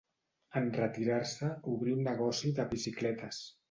En retirar-se obrí un negoci de bicicletes.